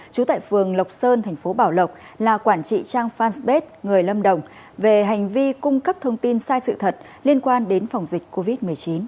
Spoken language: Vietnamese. trú tại phường lộc sơn thành phố bảo lộc là quản trị trang fanpage người lâm đồng về hành vi cung cấp thông tin sai sự thật liên quan đến phòng dịch covid một mươi chín